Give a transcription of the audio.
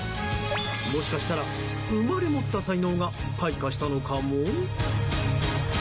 もしかしたら生まれ持った才能が開花したのかも。